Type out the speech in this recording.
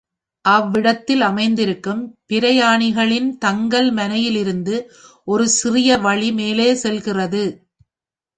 அவ்விடத்தில் அமைந்திருக்கும் பிரயாணிகளின் தங்கல் மனை யிலிருந்து ஒரு சிறிய வழி மேலே செல்லுகிறது.